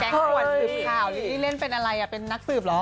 ปวดสืบข่าวลิตตี้เล่นเป็นอะไรเป็นนักสืบเหรอ